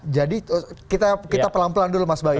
jadi kita pelan pelan dulu mas bawi